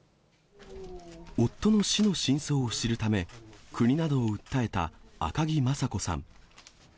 夫の死の真相を知るため、国などを訴えた赤木雅子さん。